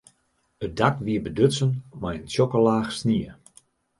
It dak wie bedutsen mei in tsjokke laach snie.